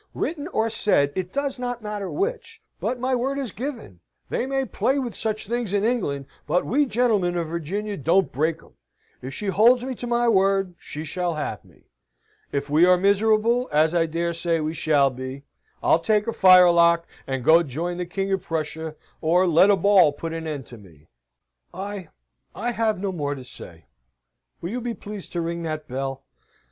"Written or said it does not matter which! But my word is given; they may play with such things in England, but we gentlemen of Virginia don't break 'em. If she holds me to my word, she shall have me. If we are miserable, as I dare say we shall be, I'll take a firelock, and go join the King of Prussia, or let a ball put an end to me." "I I have no more to say. Will you be pleased to ring that bell?